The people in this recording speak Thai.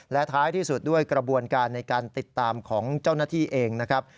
และท้ายที่สุดด้วยกระบวนการในการติดตามของเจ้าหน้าที่เองนะครับ